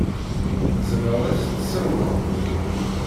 Tzemreḍ ad t-tessiwḍeḍ?